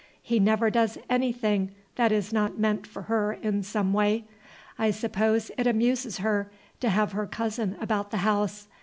He never does anything that is not meant for her in some way. I suppose it amuses her to have her cousin about the house.